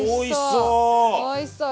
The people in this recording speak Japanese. おいしそう！